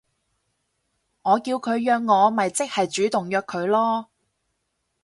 我叫佢約我咪即係主動約佢囉